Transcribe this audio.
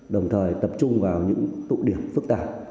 đồng thời tập trung vào những tụ điểm phức tạp